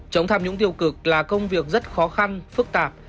chống tham nhũng tiêu cực là công việc rất khó khăn phức tạp